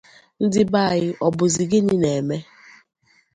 Ndi be anyị ọ bụzị gịnị na-eme??